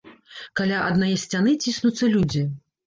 Каля аднае сцяны ціснуцца людзі.